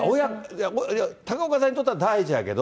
高岡さんにとっては大事やけど。